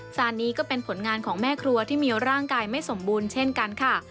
จานนี้ก็เป็นผลงานของแม่ครัวที่มีร่างกายไม่สมบูรณ์เช่นกันค่ะ